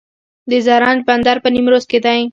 د زرنج بندر په نیمروز کې دی